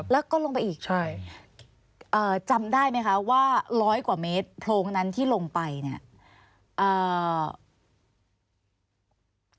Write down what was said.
แล้วก็ลงไปอีกใช่เอ่อจำได้ไหมคะว่าร้อยกว่าเมตรโพรงนั้นที่ลงไปเนี่ย